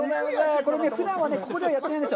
これね、ふだんはここではやってないんですよ。